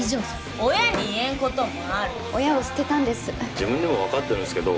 自分でもわかってるんすけど。